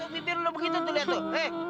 pipir lo begitu tuh lihat tuh